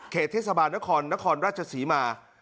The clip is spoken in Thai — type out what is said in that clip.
เทศบาลนครนครราชศรีมา